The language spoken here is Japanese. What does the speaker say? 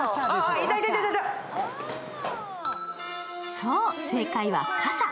そう正解は傘。